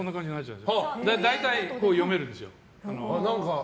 それで大体、読めるんですよ。